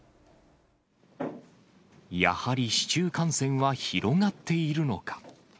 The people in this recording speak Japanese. やはり市中感染は広がっているのか。